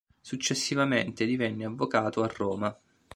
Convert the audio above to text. Successivamente divenne avvocato a Roma.